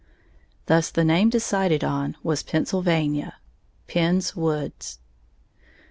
Thus the name decided on was Pennsylvania (Penn's Woods).